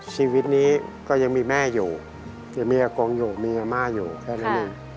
ชีวิตนี้ก็ยังมีแม่อยู่แต่เมียอากงอยู่มีอาม่าอยู่แค่นั้นเอง